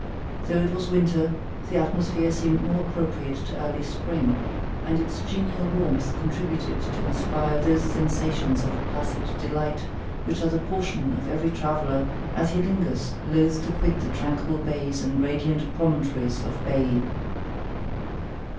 Though it was winter, the atmosphere seemed more appropriate to early spring; and its genial warmth contributed to inspire those sensations of placid delight, which are the portion of every traveller, as he lingers, loath to quit the tranquil bays and radiant promontories of Baiæ.